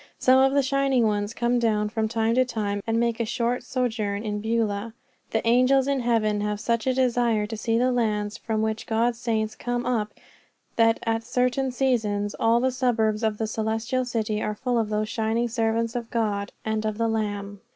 Some of the shining ones come down from time to time and make a short sojourn in Beulah. The angels in heaven have such a desire to see the lands from which God's saints come up that at certain seasons all the suburbs of the Celestial City are full of those shining servants of God and of the Lamb.